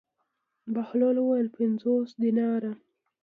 بهلول وویل: پنځوس دیناره.